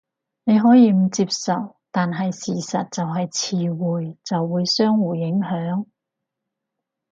你可以唔接受，但係事實就係詞彙就會相互影響